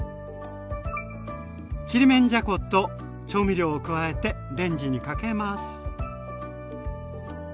ちりめんじゃこと調味料を加えてレンジにかけます。